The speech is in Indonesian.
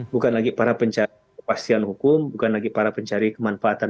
bukan lagi para pencari kepastian hukum bukan lagi para pencari kemanfaatan